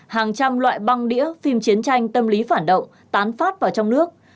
hàng trăm loại băng đĩa phim chiến tranh tâm lý phản động tán phát vào trong nước